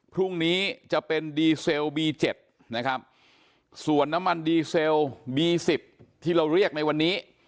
พรุ่งนี้จะเป็นดีเซลบีเจ็ดนะครับส่วนน้ำมันดีเซลบี๑๐ที่เราเรียกในวันนี้